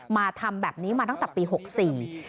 มาทำแบบนี้มาตั้งแต่ปีหกสี่